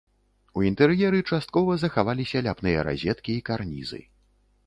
У інтэр'еры часткова захаваліся ляпныя разеткі і карнізы.